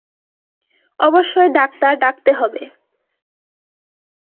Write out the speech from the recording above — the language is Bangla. অবশ্যই ডাক্তার ডাকতে হবে।